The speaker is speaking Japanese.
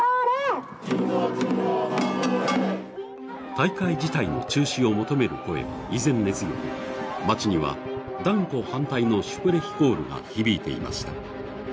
大会自体の中止を求める声は依然根強く街には断固反対のシュプレヒコールが響いていました。